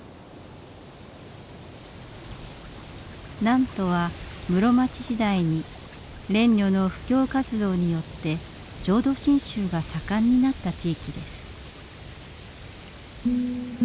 南砺は室町時代に蓮如の布教活動によって浄土真宗が盛んになった地域です。